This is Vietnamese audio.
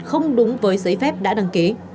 không đúng với giấy phép đã đăng ký